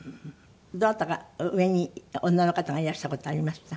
どなたか上に女の方がいらした事ありました？